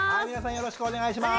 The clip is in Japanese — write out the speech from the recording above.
よろしくお願いします。